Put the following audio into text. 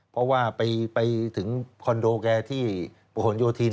เพราะว่าไปถึงคอนโดแกที่ประหลโยธิน